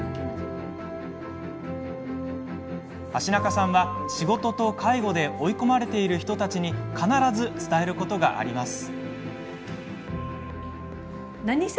橋中さんは、仕事と介護で追い込まれている人たちに必ず伝えることがあります。